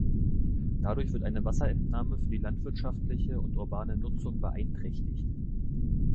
Dadurch wird eine Wasserentnahme für die landwirtschaftliche und urbane Nutzung beeinträchtigt.